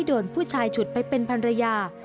โดนผู้ชายฉุดไปเป็นพันรยา